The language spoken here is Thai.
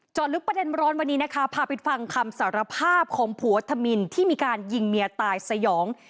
ลึกประเด็นร้อนวันนี้นะคะพาไปฟังคำสารภาพของผัวธมินที่มีการยิงเมียตายสยอง